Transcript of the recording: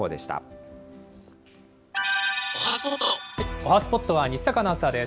おはＳＰＯＴは西阪アナウンサーです。